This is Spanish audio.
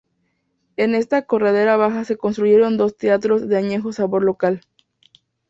En esta Corredera Baja se construyeron dos teatros de añejo sabor local.